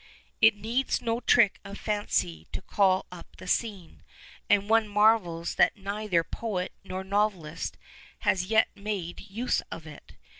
It needs no trick of fancy to call up the scene, and one marvels that neither poet nor novelist has yet made use of it.